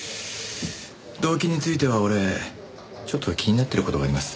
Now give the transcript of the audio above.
動機については俺ちょっと気になってる事があります。